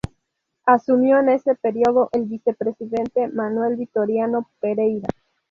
Asumió en ese período el vicepresidente, Manuel Vitorino Pereira.